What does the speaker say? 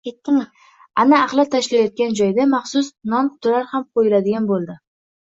Ana, axlat tashlaydigan joyda maxsus Non qutilar ham qo`yiladigan bo`ldi